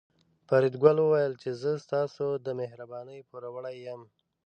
فریدګل وویل چې زه ستاسو د مهربانۍ پوروړی یم